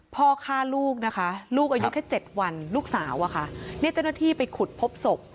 พ่อฆ่าลูกนะคะลูกอายุแค่๗วันลูกสาวอะค่ะเนี่ยเจ้าหน้าที่ไปขุดพบศพ